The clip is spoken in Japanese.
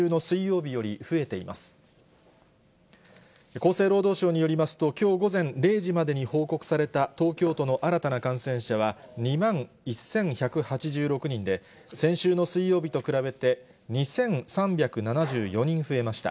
厚生労働省によりますと、きょう午前０時までに報告された東京都の新たな感染者は、２万１１８６人で、先週の水曜日と比べて、２３７４人増えました。